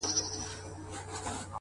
• په دوس کلي کي مېلمه مشر وي ,